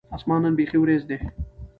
اسمان نن بیخي ور یځ دی